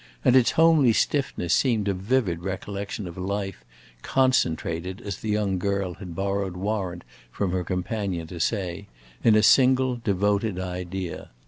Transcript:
And its homely stiffness seemed a vivid reflection of a life concentrated, as the young girl had borrowed warrant from her companion to say, in a single devoted idea.